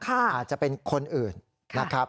อาจจะเป็นคนอื่นนะครับ